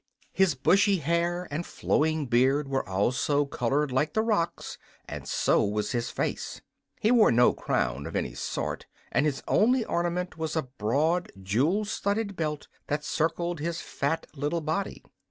His bushy hair and flowing beard were also colored like the rocks, and so was his face. He wore no crown of any sort, and his only ornament was a broad, jewel studded belt that encircled his fat little body.